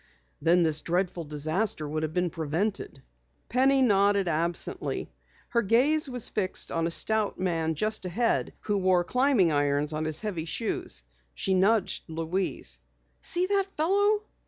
Then this dreadful disaster would have been prevented." Penny nodded absently. Her gaze was fixed upon a stout man just ahead who wore climbing irons on his heavy shoes. She nudged Louise. "See that fellow?"